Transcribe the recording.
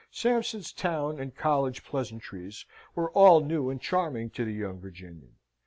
Sampson's town and college pleasantries were all new and charming to the young Virginian.